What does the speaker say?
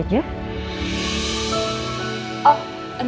buat sindangun bidis vier